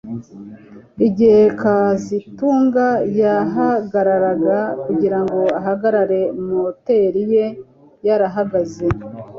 Igihe kazitunga yahagararaga kugirango ahagarare moteri ye yarahagaze